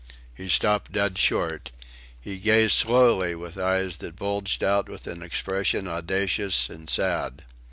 He stopped dead short. He gazed slowly with eyes that bulged out with an expression audacious and sad.